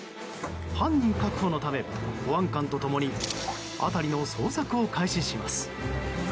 犯人確保のため、保安官と共に辺りの捜索を開始します。